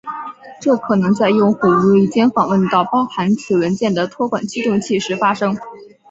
这可能在用户无意间访问到包含此文件的托管驱动器时发生。